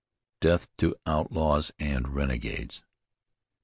"Death to outlaws and renegades."